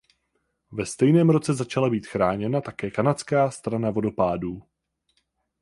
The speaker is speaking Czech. Ve stejném roce začala být chráněna také kanadská strana vodopádů.